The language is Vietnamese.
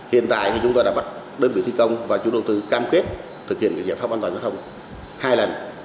hiện tại thì chúng tôi đã bắt đơn vị thi công và chủ đầu tư cam kết thực hiện giải pháp an toàn giao thông hai lần